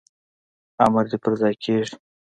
امر دي پرځای کیږي